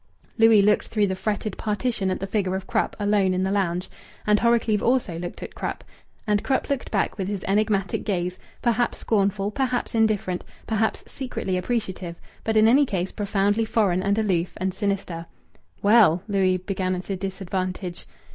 Louis looked through the fretted partition at the figure of Krupp alone in the lounge. And Horrocleave also looked at Krupp. And Krupp looked back with his enigmatic gaze, perhaps scornful, perhaps indifferent, perhaps secretly appreciative but in any case profoundly foreign and aloof and sinister. "Well " Louis began at a disadvantage.